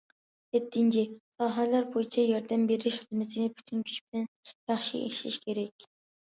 يەتتىنچى، ساھەلەر بويىچە ياردەم بېرىش خىزمىتىنى پۈتۈن كۈچ بىلەن ياخشى ئىشلەش كېرەك.